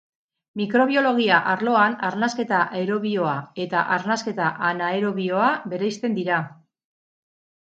Mikrobiologia arloan arnasketa aerobioa eta arnasketa anaerobioa bereizten dira.